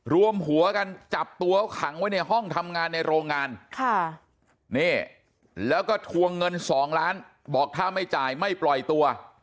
รวมหัวกันจับตัวเขาขังไว้ในห้องทำงานในโรงงานแล้วก็ทวงเงิน๒ล้านบอกถ้าไม่จ่ายไม่ปล่อยตัว